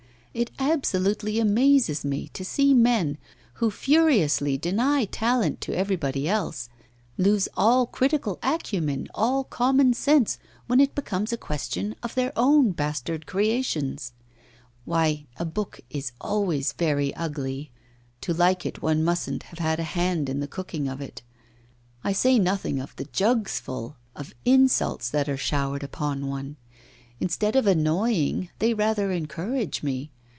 It absolutely amazes me to see men, who furiously deny talent to everybody else, lose all critical acumen, all common sense, when it becomes a question of their own bastard creations. Why, a book is always very ugly. To like it one mustn't have had a hand in the cooking of it. I say nothing of the jugsful of insults that are showered upon one. Instead of annoying, they rather encourage me.